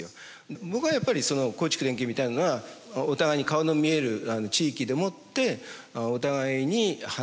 僕はやっぱり耕畜連携みたいなのはお互いに顔の見える地域でもってお互いに話し合う。